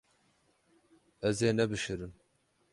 Ez ê nebişirim.